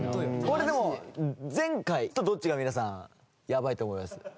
「これでも前回とどっちが皆さんやばいと思います？」